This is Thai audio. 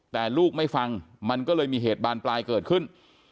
แต่ลูกไม่ฟังมันก็เลยมีเหตุบานปลายเกิดขึ้น